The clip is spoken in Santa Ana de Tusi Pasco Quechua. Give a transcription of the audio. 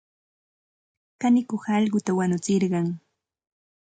Kanikuq allquta wanutsirqan.